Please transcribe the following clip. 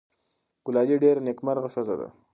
ګلالۍ ډېره نېکمرغه ښځه ده.